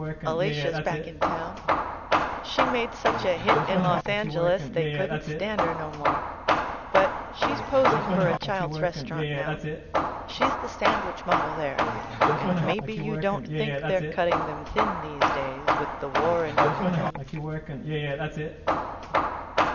A LATIA'S back in town. She made .such • a hit in Los Angeles they couldn't stand her no more. But she's posing for a Childs restaurant now. She's the sand wich model there, and maybe you don't think they're cutting them thin these days, with the war and everything